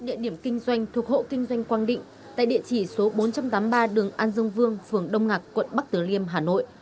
địa điểm kinh doanh thuộc hộ kinh doanh quang định tại địa chỉ số bốn trăm tám mươi ba đường an dương vương phường đông ngạc quận bắc tử liêm hà nội